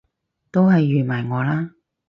都係預埋我啦！